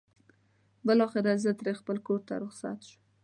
بالاخره زه ترې خپل کور ته رخصت شوم.